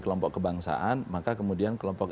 kelompok kebangsaan maka kemudian kelompok